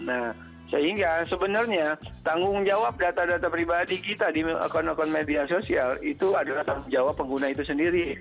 nah sehingga sebenarnya tanggung jawab data data pribadi kita di akun akun media sosial itu adalah tanggung jawab pengguna itu sendiri